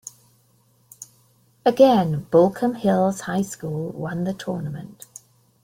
Again, Baulkham Hills High School won the tournament.